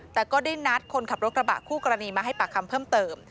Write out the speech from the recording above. แต่ก็ได้นัดคนขับรถกระบะคู่กรณีมาให้ปากคำเพิ่มเติม